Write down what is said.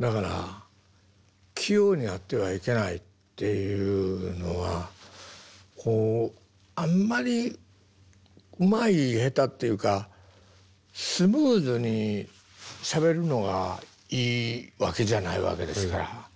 だから器用になってはいけないっていうのはあんまりうまい下手っていうかスムーズにしゃべるのがいいわけじゃないわけですから。